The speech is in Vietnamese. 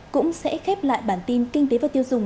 cũng sẽ khép lại bản tin kinh tế và tiêu dùng